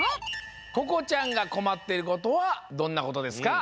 ここちゃんがこまっていることはどんなことですか？